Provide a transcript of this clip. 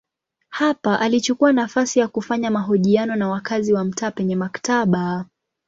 Hapa alichukua nafasi ya kufanya mahojiano na wakazi wa mtaa penye maktaba.